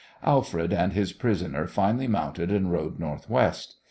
Alfred and his prisoner finally mounted and rode northwest.